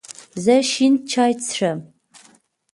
زه شین چای څښم